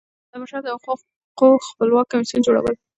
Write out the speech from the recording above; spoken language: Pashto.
د بشر د حقوقو خپلواک کمیسیون جوړول.